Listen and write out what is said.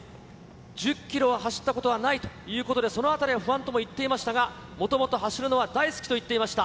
１０キロを走ったことはないということで、そのあたりは不安とも言っていましたが、もともと走るのは大好きと言っていました。